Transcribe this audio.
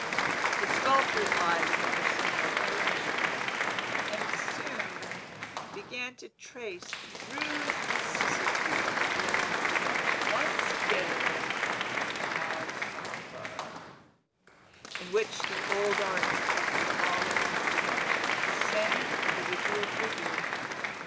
The sculptor's eyes took a similar direction, and soon began to trace through the vicissitudes, once gay, now sombre, in which the old artist had involved it, the same individual figure.